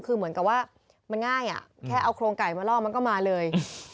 คือเหมือนกับว่ามันง่ายแค่เอาโครงไก่มาล่อมันก็มาเลย